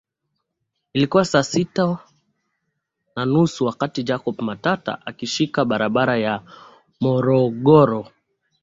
Ilikuwa saa sit ana nusu wakati Jacob Matata akishika barabara ya Morogoro